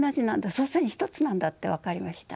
祖先一つなんだって分かりました。